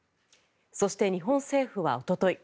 そして、日本政府はおととい